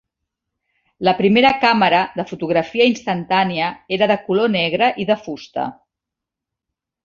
La primera càmera de fotografia instantània era de color negre i de fusta.